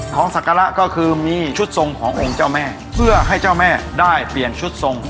ศักระก็คือมีชุดทรงขององค์เจ้าแม่เพื่อให้เจ้าแม่ได้เปลี่ยนชุดทรง